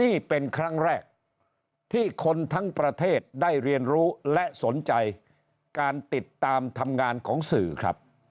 นี่เป็นครั้งแรกที่คนทั้งประเทศได้เรียนรู้และสนใจการติดตามทำงานของสื่อครับ